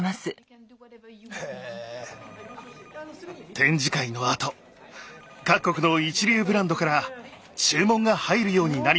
展示会のあと各国の一流ブランドから注文が入るようになりました。